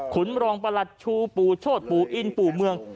รองประหลัดชูปู่โชธปู่อินปู่เมือง